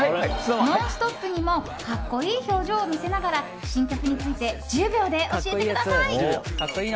「ノンストップ！」にも格好いい表情を見せながら新曲について１０秒で教えてください。